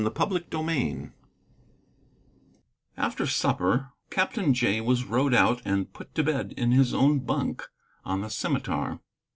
CHAPTER XIII After supper, Captain Jay was rowed out and put to bed in his own bunk on the Scimitar.